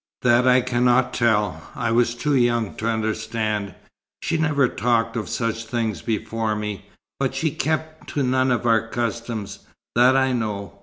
"That I cannot tell. I was too young to understand. She never talked of such things before me, but she kept to none of our customs, that I know.